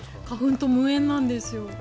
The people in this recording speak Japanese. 花粉と無縁なんですよ。